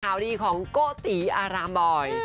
ข่าวดีของโกะตีหลามบ่อย